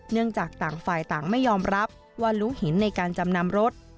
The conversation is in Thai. เนื่องจากต่างฝ่ายต่างไม่ยอมรับว่ารู้เห็นในการจำนำรถ